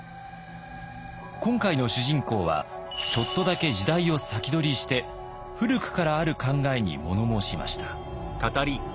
今回の主人公はちょっとだけ時代を先取りして古くからある考えに物申しました。